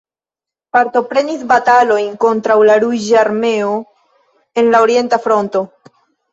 Partoprenis batalojn kontraŭ la Ruĝa Armeo en la orienta fronto.